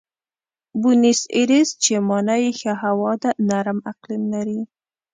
بونیس ایرس چې مانا یې ښه هوا ده، نرم اقلیم لري.